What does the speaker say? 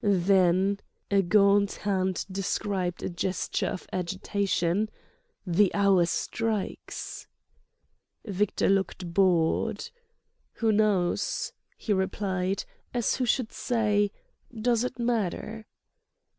"Then"—a gaunt hand described a gesture of agitation—"the hour strikes!" Victor looked bored. "Who knows?" he replied, as who should say: "Does it matter?"